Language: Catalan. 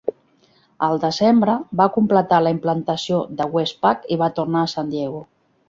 Al desembre, va completar la implantació de WestPac i va tornar a San Diego.